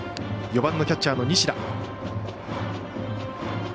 ４番のキャッチャーの西田。